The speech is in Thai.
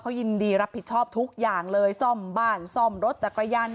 ยินดีรับผิดชอบทุกอย่างเลยซ่อมบ้านซ่อมรถจักรยาน